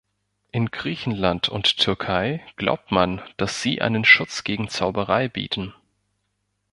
In Griechenland und Türkei glaubt man, dass sie einen Schutz gegen Zauberei bieten.